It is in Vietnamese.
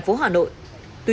ví dụ như